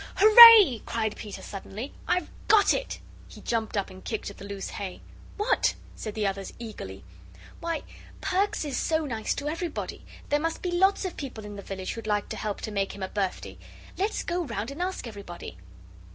"Hooray!" cried Peter, suddenly, "I've got it." He jumped up and kicked at the loose hay. "What?" said the others, eagerly. "Why, Perks is so nice to everybody. There must be lots of people in the village who'd like to help to make him a birthday. Let's go round and ask everybody."